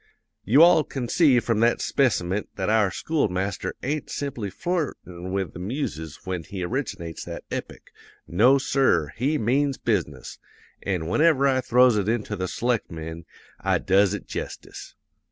"'You all can see from that speciment that our school master ain't simply flirtin' with the muses when he originates that epic; no, sir, he means business; an' whenever I throws it into the selectmen, I does it jestice.